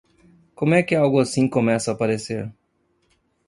Como é que algo assim começa a aparecer?